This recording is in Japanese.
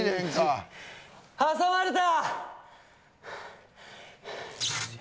挟まれた。